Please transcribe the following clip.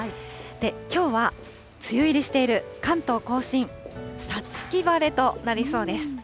きょうは梅雨入りしている関東甲信、五月晴れとなりそうです。